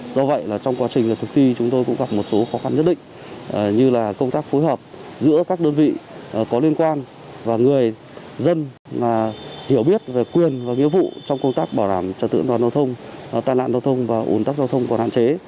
do vậy trong quá trình thực thi chúng tôi cũng gặp một số khó khăn nhất định như là công tác phối hợp giữa các đơn vị có liên quan và người dân hiểu biết về quyền và nghĩa vụ trong công tác bảo đảm trật tự an toàn giao thông tai nạn giao thông và ủn tắc giao thông còn hạn chế